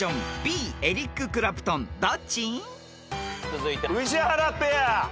続いて宇治原ペア。